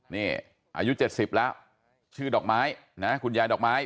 นี่อายุเจ็ดสิบแล้วชื่อดอกไม้นะฮะคุณยายดอกไม้